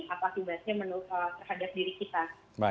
apa akibatnya terhadap diri kita